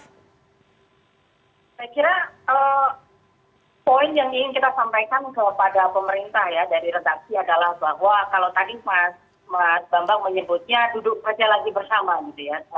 saya kira poin yang ingin kita sampaikan kepada pemerintah ya dari redaksi adalah bahwa kalau tadi mas bambang menyebutnya duduk saja lagi bersama gitu ya